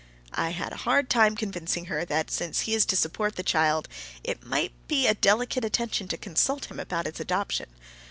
I had a hard time convincing her that, since he is to support the child, it might be a delicate attention to consult him about its adoption.